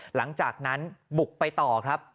หลังจากนั้นบุกไปต่อครับ